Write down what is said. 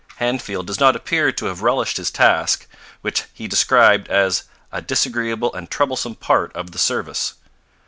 Handfield does not appear to have relished his task, which he described as a 'disagreeable and troublesome part of the service.'